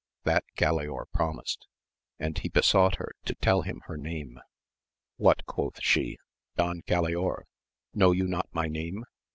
That Galaor promised, and he besought her to tell him her name. What, quoth she, Don Galaor, know you not my name